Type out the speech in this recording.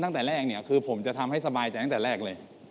ตั้งแต่แรกเนี่ยคือผมจะทำให้สบายใจตั้งแต่แรกเลย